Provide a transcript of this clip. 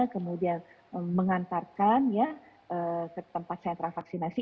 kemudian mengantarkan ke tempat sentra vaksinasi